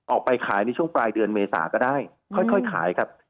ออกไปขายในช่วงปลายเดือนเมษาก็ได้ค่อยขายครับ